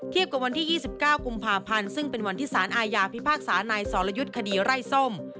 กับวันที่๒๙กุมภาพันธ์ซึ่งเป็นวันที่สารอาญาพิพากษานายสรยุทธ์คดีไร่ส้ม